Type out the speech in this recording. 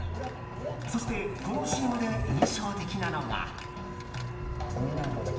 そしてこのＣＭで印象的なのが。